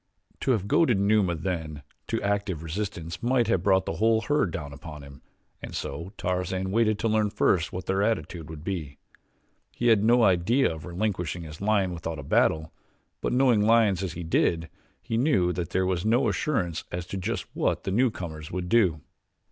To have goaded Numa then into active resistance might have brought the whole herd down upon him and so Tarzan waited to learn first what their attitude would be. He had no idea of relinquishing his lion without a battle; but knowing lions as he did, he knew that there was no assurance as to just what the newcomers would do.